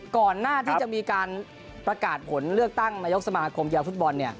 ก่อนหน้าที่จะมีการประกาศผลเลือกตั้งนายกสมาคมกีฬาฟุตบอล